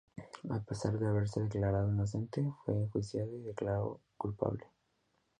A pesar de haberse declarado inocente, fue enjuiciado y declarado culpable.